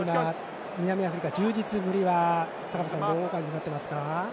南アフリカの充実ぶりはどうお感じになっていますか。